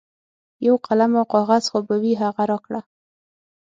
یو قلم او کاغذ خو به وي هغه راکړه.